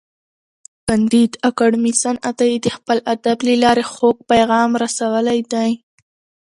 کانديد اکاډميسن عطایي د خپل ادب له لارې خوږ پیغام رسولی دی.